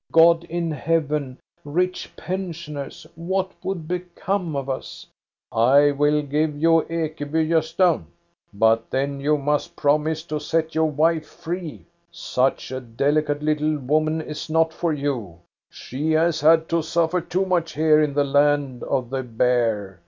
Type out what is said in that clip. God in Heaven, rich pensioners ! What would become of us !"" I will give you Ekeby, Gosta ; but then you must promise to set your wife free. Such a delicate little woman is not for you. She has had to suffer too much here in the land of the bear.